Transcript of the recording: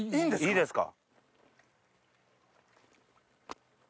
いいですか？